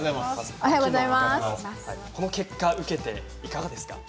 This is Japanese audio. この結果を受けて、いかがですか。